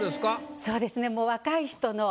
そうですね。